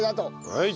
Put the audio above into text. はい。